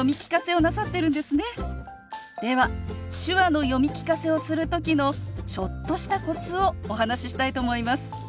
では手話の読み聞かせをする時のちょっとしたコツをお話ししたいと思います。